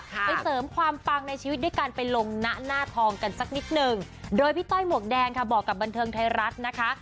ไปเสริมความปังในชีวิตด้วยการไปลงนะหน้าทองกันสักนิดหนึ่งโดยพี่ต้อยหมวกแดงค่ะบอกกับบันเทิงไทยรัฐนะคะ